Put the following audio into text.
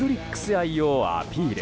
愛をアピール。